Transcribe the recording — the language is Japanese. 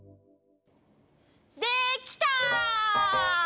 できた！